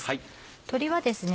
鶏はですね